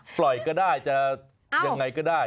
ปล่อยก็ได้จะอย่างไรก็ได้